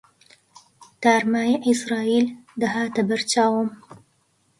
تارماییی عیزراییل دەهاتە بەر چاوم